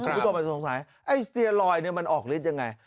คุณผู้ชมจะสงสัยไอ้สเตอรอยด์นี่มันออกฤทธิ์ยังไง